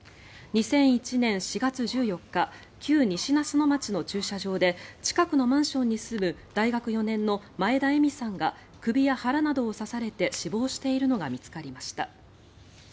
２００１年４月１４日旧西那須野町の駐車場で近くのマンションに住む大学４年の前田笑さんが首や腹などを刺されて死亡しているのが見つかりました。